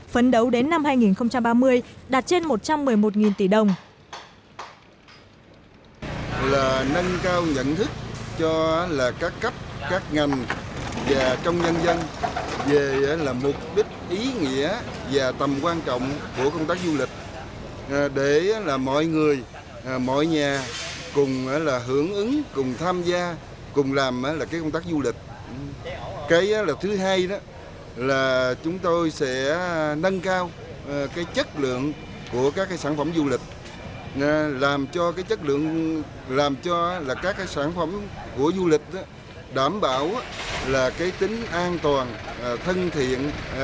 phấn đấu đến năm hai nghìn ba mươi đón khoảng năm mươi hai triệu lượt khách trong đó khoảng sáu năm triệu lượt khách quốc tế